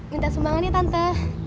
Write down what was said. minta sumbangan ya tante